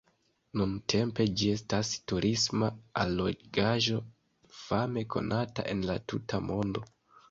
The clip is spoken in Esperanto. Nuntempe ĝi estas turisma allogaĵo fame konata en la tuta mondo.